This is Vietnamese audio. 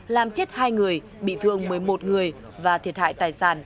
làm chết hai người bị thương một mươi một người và thiệt hại tài sản